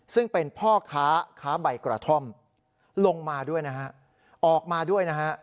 ซึ่งเป็นพ่อค้าค้าใบกระท่อมลงมาด้วยนะฮะออกมาด้วยนะฮะ